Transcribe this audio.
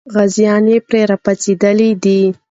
غازیان یې پرې راپارېدلي دي.